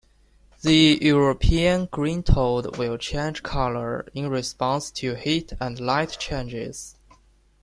The European green toad will change colour in response to heat and light changes.